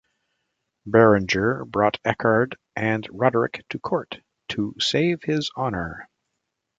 Beringer brought Eckert and Roderick to court, to "save his honor".